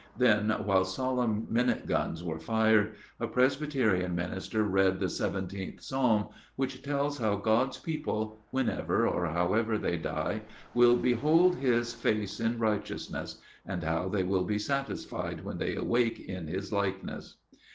Then, while solemn minute guns were fired, a Presbyterian minister read the seventeenth Psalm, which tells how God's people, whenever or however they die, will behold His 'Face in righteousness,' and how they will be 'satisfied' when they 'awake in His likeness.